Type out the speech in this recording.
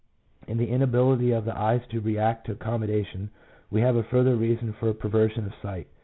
In the inability of the eyes to react to accommodation, we have a further reason for per version of sight.